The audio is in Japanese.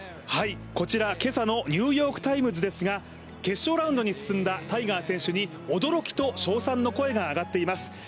こちら、今朝の「ニューヨーク・タイムズ」ですが決勝ラウンドに進んだタイガー選手に驚きと称賛の声が上がっています。